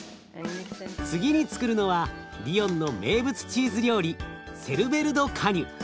次につくるのはリヨンの名物チーズ料理セルヴェル・ド・カニュ。